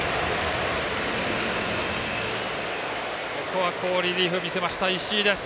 ここは好リリーフ見せました石井です。